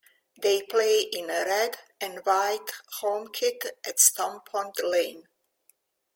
They play in a red and white home kit at Stompond Lane.